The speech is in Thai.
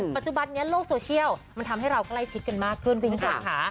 ปัจจุบันนี้โลกโซเชียลมันทำให้เราใกล้ชิดกันมากขึ้นคุณผู้ชมค่ะ